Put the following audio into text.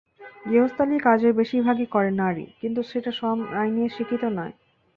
গৃহস্থালির কাজের বেশির ভাগই করে নারী, কিন্তু সেটা শ্রম আইনে স্বীকৃত নয়।